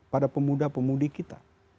pada pemuda pemudi kita